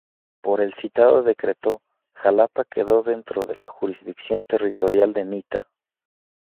Por el citado decreto, Jalapa quedó dentro de la jurisdicción territorial de Mita.